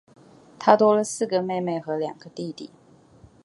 她多了四个妹妹和两个弟弟